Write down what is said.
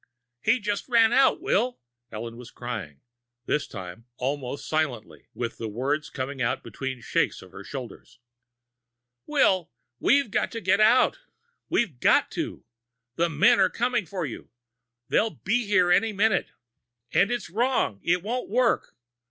"He just ran out, Will." Ellen was crying, this time almost silently, with the words coming out between shakes of her shoulders. "Will, we've got to get out. We've got to. The men are coming for you. They'll be here any minute. And it's wrong it won't work!